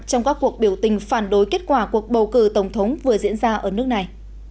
trong các cuộc biểu tình phản đối kết quả cuộc bầu cử tổng thống vừa diễn ra ở nước này